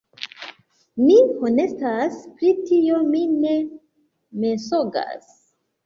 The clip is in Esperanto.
Mi honestas pri tio; mi ne mensogas